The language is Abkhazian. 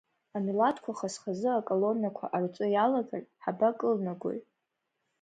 Амилаҭқәа хаз-хазы аколоннақәа ҟарҵо иалагар ҳабакылнагои?